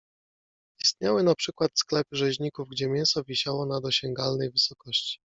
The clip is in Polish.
Istniały na przykład sklepy rzeźników, gdzie mięso wisiało na dosięgalnej wysokości.